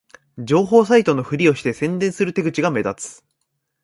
情報サイトのふりをして宣伝する手口が目立つ